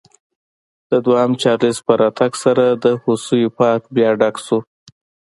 د دویم چارلېز په راتګ سره د هوسیو پارک بیا ډک شو.